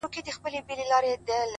• هغه مي سايلينټ سوي زړه ته ـ